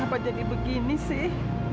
kenapa jadi begini sih